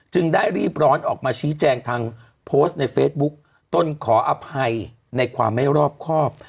ได้รีบร้อนออกมาชี้แจงทางโพสต์ในเฟซบุ๊กต้นขออภัยในความไม่รอบครอบ